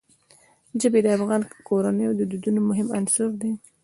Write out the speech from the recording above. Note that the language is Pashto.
ژبې د افغان کورنیو د دودونو مهم عنصر دی.